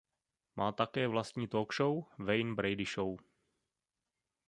Má také vlastní talk show "Wayne Brady Show".